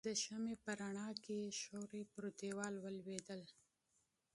د شمعې په رڼا کې يې سایه پر دیوال ولوېدل.